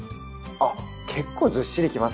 あっ結構ずっしりきますね。